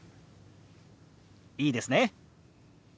いいですね？